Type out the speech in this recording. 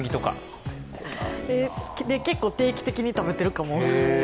結構定期的に食べているかも。